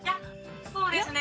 そうですね。